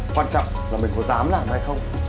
quan trọng là mình có dám làm hay không